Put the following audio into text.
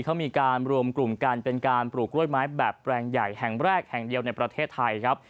เขามีการรวมกลุ่มกันเป็นการปลูกกล้วยไม้แบบแปลงใหญ่แห่งแรกแห่งเดียวในประเทศไทยครับ